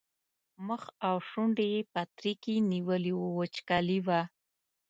مخ او شونډو یې پترکي نیولي وو وچکالي وه.